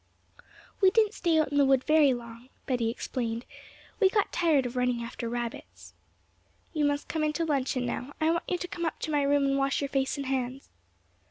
'We didn't stay out in the wood very long,' Betty explained; 'we got tired of running after rabbits.' 'You must come in to luncheon now; I want you to come up to my room to wash your face and hands.'